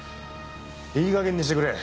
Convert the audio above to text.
いいかげんにしてくれ。